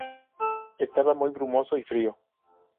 Estaba muy brumoso y frío.